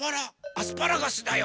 アスパラガスだよ！